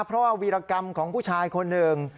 เพราะว่าวีรกรรมของผู้ชายคนหนึ่ง